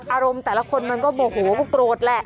อารมณ์แต่ละคนมันก็โมโหก็โกรธแหละ